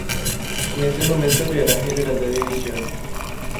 En ese momento ya era general de División.